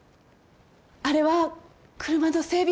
あれは車の整備